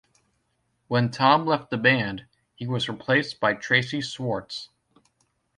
When Tom left the band, he was replaced by Tracy Schwarz.